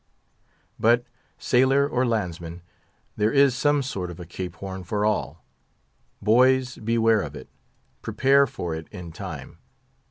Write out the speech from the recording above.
But, sailor or landsman, there is some sort of a Cape Horn for all. Boys! beware of it; prepare for it in time.